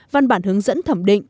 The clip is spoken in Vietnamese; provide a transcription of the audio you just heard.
văn bản hướng dẫn thẩm định